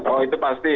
oh itu pasti